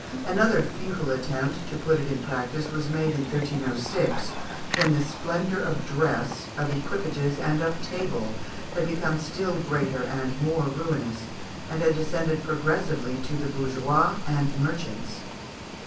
Another futile attempt to put it in practice was made in 1306, when the splendour of dress, of equipages, and of table had become still greater and more ruinous, and had descended progressively to the bourgeois and merchants.